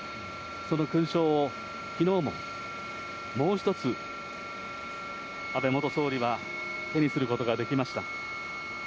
その勲章をきのうももう一つ、安倍元総理は手にすることができました。